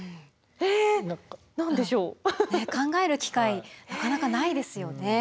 考える機会なかなかないですよね。